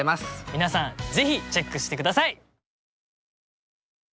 皆さんぜひチェックして下さい！